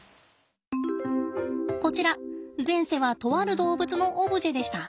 こちら前世はとある動物のオブジェでした。